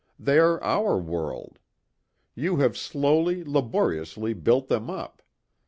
They are our world. You have slowly, laboriously built them up.